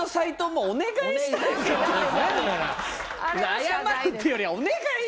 謝るっていうよりはお願い。